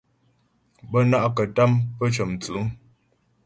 Bə́ ná'kətâm pə́ cə̌mstʉ̌'.